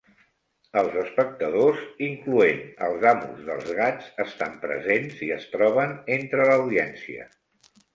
Els espectadors, incloent els amos dels gats estan presents i es troben entre l'audiència.